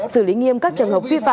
xử lý nghiêm các trường hợp phi phạm